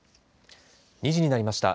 ２時になりました。